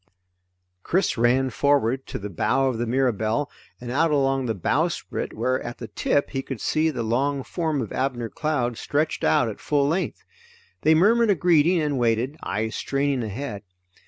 Chris ran forward to the bow of the Mirabelle, and out along the bowsprit where, at the tip, he could see the long form of Abner Cloud stretched out at full length. They murmured a greeting and waited, eyes straining ahead.